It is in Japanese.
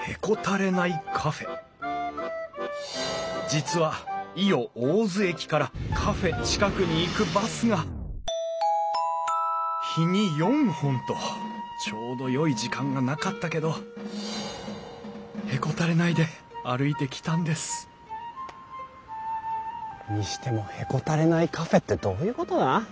実は伊予大洲駅からカフェ近くに行くバスが日に４本とちょうどよい時間がなかったけどへこたれないで歩いてきたんですにしても「へこたれないカフェ」ってどういうことだ？